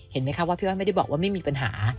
เห็นไหมคะว่าพี่อ้อยไม่ได้บอกว่าไม่มีปัญหา